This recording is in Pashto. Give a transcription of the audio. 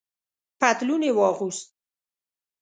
پتلون یې واغوست.